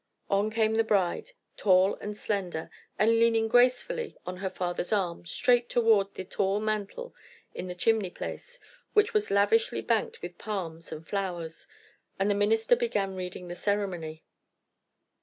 On came the bride, tall and slender and leaning gracefully on her father's arm, straight toward the tall mantel in the chimney place, which was lavishly banked with palms and flowers, and the minister began reading the ceremony.